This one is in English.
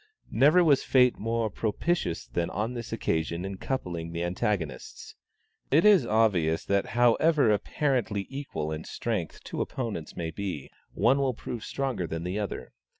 Never was fate more propitious than on this occasion in coupling the antagonists. It is obvious, that however apparently equal in strength two opponents may be, one will prove stronger than the other.